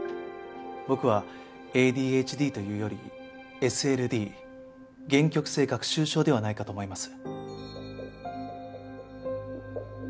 僕はＡＤＨＤというよりＳＬＤ限局性学習症ではないかと思います。